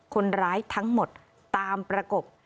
คนร้ายทั้งหมดตามประกบ